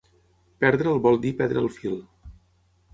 Perdre'l vol dir perdre el fil.